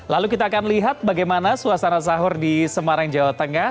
lalu kita akan lihat bagaimana suasana sahur di semarang jawa tengah